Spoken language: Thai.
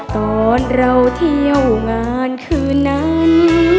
ตอนเราเที่ยวงานคืนนั้น